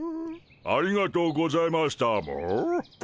ありがとうございましたモ。